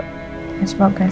saya juga bilang begitu